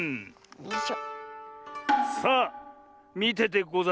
よいしょ。